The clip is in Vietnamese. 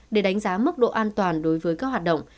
để đánh giá mức độ an toàn đối với các hoạt động